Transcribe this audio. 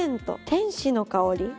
天使の香り。